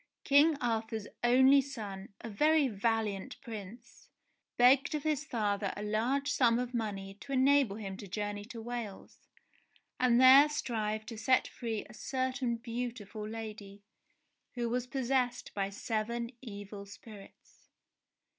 King Arthur's only son, a very valiant Prince, begged of his father a large sum 86 ENGLISH FAIRY TALES of money to enable him to journey to Wales, and there strive to set free a certain beautiful lady who was possessed by seven evil spirits.